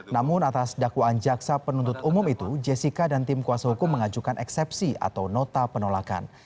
namun atas dakwaan jaksa penuntut umum itu jessica dan tim kuasa hukum mengajukan eksepsi atau nota penolakan